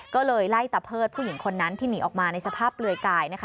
ก็เลยไล่ตะเพิดผู้หญิงคนนั้นที่หนีออกมาในสภาพเปลือยกายนะคะ